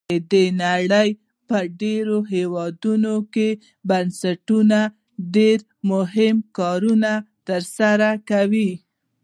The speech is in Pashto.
د نړۍ په ډیری هیوادونو کې بنسټونو ډیر مهم کارونه تر سره کړي.